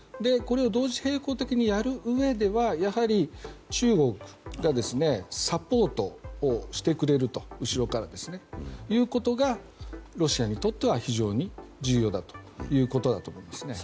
これを同時並行的にやるうえではやはり中国が後ろからサポートをしてくれるということがロシアにとっては非常に重要だということだと思います。